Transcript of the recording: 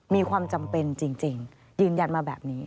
มีความจำเป็นจริงยืนยันมาแบบนี้